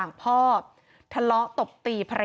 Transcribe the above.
กังฟูเปล่าใหญ่มา